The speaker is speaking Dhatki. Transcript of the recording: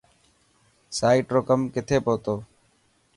سائٽ رو ڪم ڪٿي پهتو.